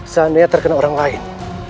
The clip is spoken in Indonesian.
seandainya terkena orang lain